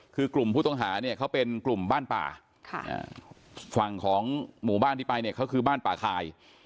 คือกลุ่มผู้ต้องหาเนี่ยเขาเป็นกลุ่มบ้านป่าฝั่งของหมู่บ้านที่ไปเนี่ยเขาคือบ้านป่าคาย